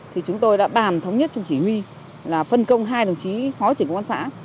thì chúng tôi đã bàn thống nhất chung chỉ huy là phân công hai đồng chí phó chỉnh của con xã